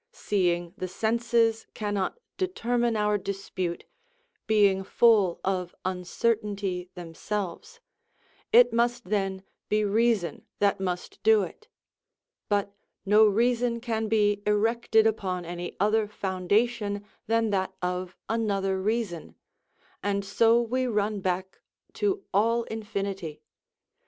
Seeing the senses cannot determine our dispute, being full of uncertainty themselves, it must then be reason that must do it; but no reason can be erected upon any other foundation than that of another reason; and so we run back to all infinity.